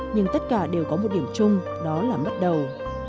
nhưng tất cả đều có một điểm chung đó là bắt đầu